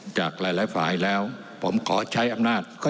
นั่นแหละครับเตะออกไปก่อน